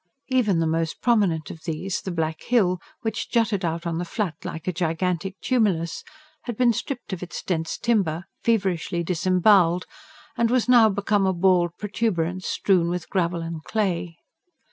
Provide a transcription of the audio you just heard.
Even the most prominent of these, the Black Hill, which jutted out on the Flat like a gigantic tumulus, had been stripped of its dense timber, feverishly disembowelled, and was now become a bald protuberance strewn with gravel and clay.